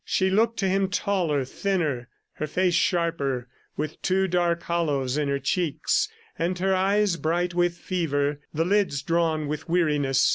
She looked to him taller, thinner, her face sharper, with two dark hollows in her cheeks and her eyes bright with fever, the lids drawn with weariness.